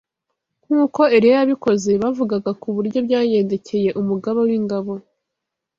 nk’uko Eliya yabikoze bavugaga ku buryo byagendekeye umugaba w’ingabo